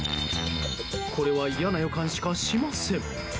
これは嫌な予感しかしません。